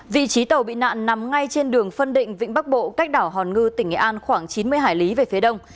vị trí tàu bị nạn nằm ngay trên đường phân định vĩnh bắc bộ cách đảo hòn ngư tỉnh nghệ an khoảng chín mươi hải lý về phía đông